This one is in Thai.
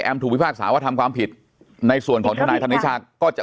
ถูกพิพากษาว่าทำความผิดในส่วนของทนายธนิชาก็จะ